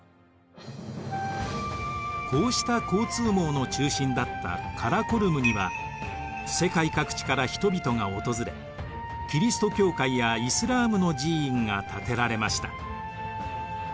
こうした交通網の中心だったカラコルムには世界各地から人々が訪れキリスト教会やイスラームの寺院が建てられました。